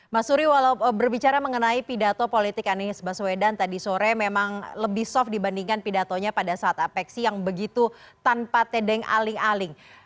mas suri walau berbicara mengenai pidato politik anies baswedan tadi sore memang lebih soft dibandingkan pidatonya pada saat apeksi yang begitu tanpa tedeng aling aling